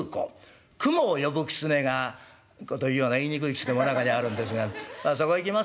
雲を呼ぶ狐がこというような言いにくい狐も中にはあるんですがそこいきます